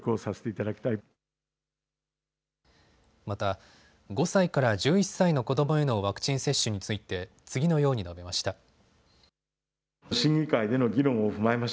また、５歳から１１歳の子どもへのワクチン接種について次のように述べました。